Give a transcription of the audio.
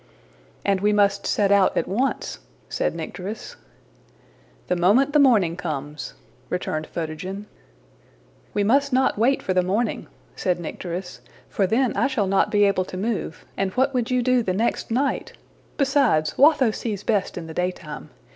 ``And we must set out at once,'' said Nycteris. ``The moment the morning comes,'' returned Photogen. ``We must not wait for the morning,'' said Nycteris, ``for then I shall not be able to move, and what would you do the next night? Besides, Watho sees best in the daytime.